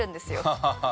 ハハハハ。